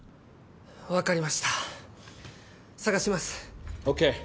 わかりました捜します。ＯＫ！